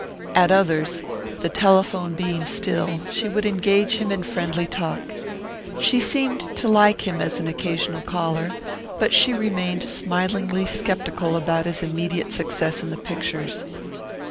At others, the telephone being still, she would engage him in friendly talk. She seemed to like him as an occasional caller, but she remained smilingly skeptical about his immediate success in the pictures.